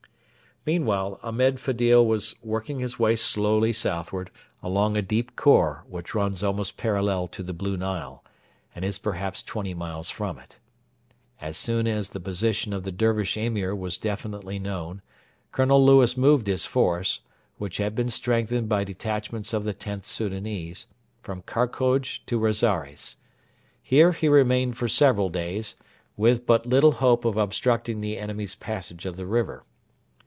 Meanwhile Ahmed Fedil was working his way slowly southward along a deep khor which runs almost parallel to the Blue Nile and is perhaps twenty miles from it. As soon as the position of the Dervish Emir was definitely known, Colonel Lewis moved his force, which had been strengthened by detachments of the Xth Soudanese, from Karkoj to Rosaires. Here he remained for several days, with but little hope of obstructing the enemy's passage of the river.